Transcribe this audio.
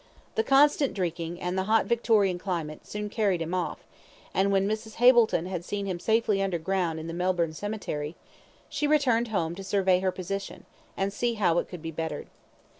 The constant drinking, and the hot Victorian climate, soon carried him off, and when Mrs. Hableton had seen him safely under the ground in the Melbourne Cemetery, she returned home to survey her position, and see how it could be bettered.